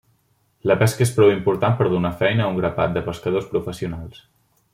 La pesca és prou important per donar feina a un grapat de pescadors professionals.